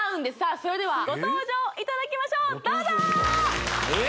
それではご登場いただきましょうどうぞ！えっ？